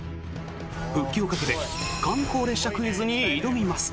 復帰をかけて観光列車クイズに挑みます。